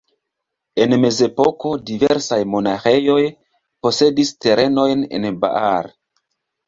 En mezepoko diversaj monaĥejoj posedis terenojn en Baar.